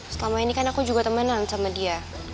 selama ini kan aku juga temanan sama dia